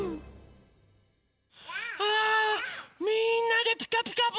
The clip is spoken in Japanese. あみんなで「ピカピカブ！」